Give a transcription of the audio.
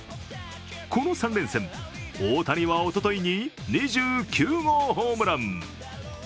この３連戦、大谷はおとといに２９号ホームラン。